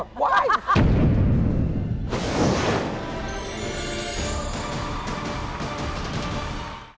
โปรดติดตามตอนต่อไป